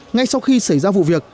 ngay sau khi xảy ra vụ việc